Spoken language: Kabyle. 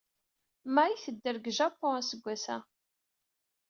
May tedder deg Japun aseggas.